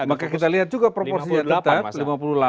maka kita lihat juga proporsinya kita